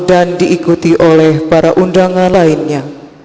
dan diikuti oleh para undangan lainnya